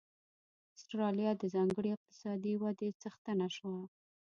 اسټرالیا د ځانګړې اقتصادي ودې څښتنه شوه.